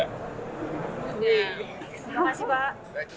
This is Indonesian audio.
terima kasih pak